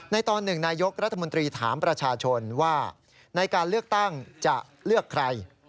ตอนหนึ่งนายกรัฐมนตรีถามประชาชนว่าในการเลือกตั้งจะเลือกใคร